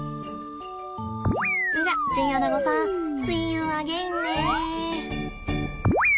じゃあチンアナゴさんシーユーアゲインね。